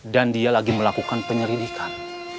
dan dia lagi melakukan penyelidikan